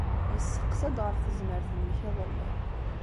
Yesseqsa-d ɣef tezmert-nnek iḍelli.